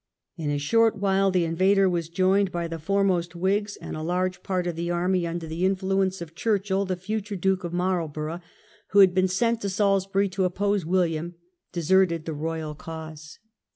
In a short while the invader was joined by the foremost Whigs; and a large part of the army, THE REVOLUTION. 97 under the influence of Churchill, the future Duke of Marlborough, who had been sent to Salisbury to oppose William, deserted the Royal cause.